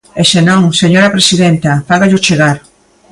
E se non, señora presidenta, fágallo chegar.